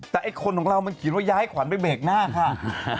แต่ไอ้คนของเรามันเขียนว่าย้ายขวัญไปเบรกหน้าค่ะ